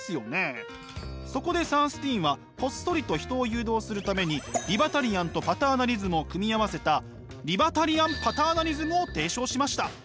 そこでサンスティーンはこっそりと人を誘導するためにリバタリアンとパターナリズムを組み合わせたリバタリアン・パターナリズムを提唱しました。